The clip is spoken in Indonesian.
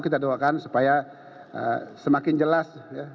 kita doakan supaya semakin jelas